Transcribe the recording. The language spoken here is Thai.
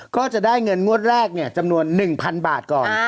ก็จะได้เงินงวดแรกจำนวน๑๐๐๐บาทก่อน